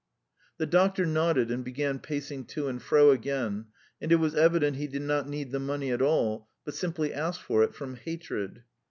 The doctor nodded and began pacing to and fro again, and it was evident he did not need the money at all, but simply asked for it from hatred.